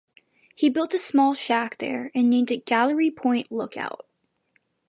He built a small shack there and named it "Gallery Point Lookout".